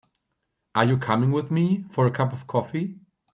Are you coming with me for a cup of coffee ?